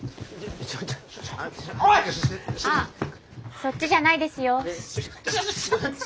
そっちじゃないですよ。